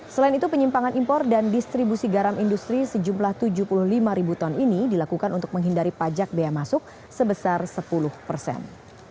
selain itu penyimpangan impor dan distribusi garam industri sejumlah tujuh puluh lima ribu ton ini dilakukan untuk menghindari pajak bea masuk sebesar sepuluh persen